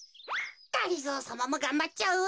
がりぞーさまもがんばっちゃう。